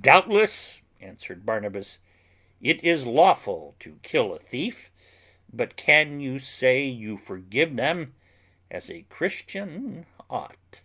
"Doubtless," answered Barnabas, "it is lawful to kill a thief; but can you say you forgive them as a Christian ought?"